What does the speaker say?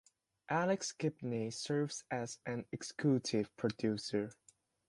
Alex Gibney serves as an executive producer.